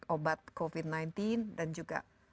obat covid sembilan belas dan juga